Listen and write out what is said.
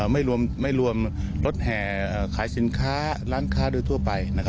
ไม่รวมรถแห่ขายสินค้าร้านค้าโดยทั่วไป